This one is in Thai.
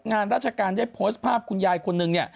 งานราชการได้โพสต์ภาพคุณยายคนนึงเนี่ย